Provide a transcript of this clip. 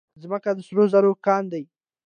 ځمکه د سرو زرو کان دی.